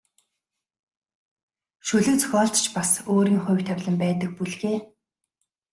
Шүлэг зохиолд ч бас өөрийн хувь тавилан байдаг бүлгээ.